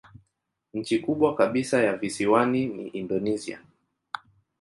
Nchi kubwa kabisa ya visiwani ni Indonesia.